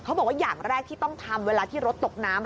เขาบอกว่าอย่างแรกที่ต้องทำเวลาที่รถตกน้ำ